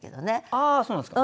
ああそうなんですか。